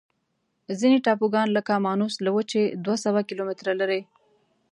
ځینې ټاپوګان لکه مانوس له وچې دوه سوه کیلومتره لري.